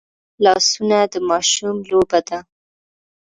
لاسونه د ماشوم لوبه ده